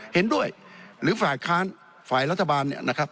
เห็นด้วยหรือฝ่ายค้านฝ่ายรัฐบาลเนี่ยนะครับ